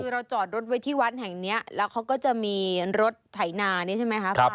คือเราจอดรถไว้ที่วัดแห่งนี้แล้วเขาก็จะมีรถไถนานี่ใช่ไหมคะ